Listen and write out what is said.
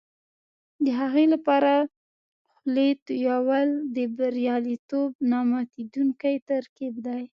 د هغې لپاره خولې تویول د بریالیتوب نه ماتېدونکی ترکیب دی.